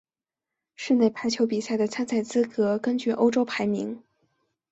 室内排球比赛的参赛资格根据欧洲排名。